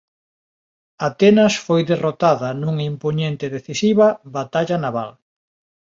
Atenas foi derrotada nunha impoñente e decisiva batalla naval.